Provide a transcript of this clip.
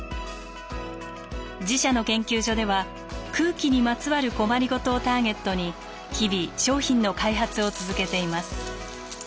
自社の研究所では「空気にまつわる困りごと」をターゲットに日々商品の開発を続けています。